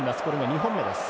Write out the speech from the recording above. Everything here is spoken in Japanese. ２本目です。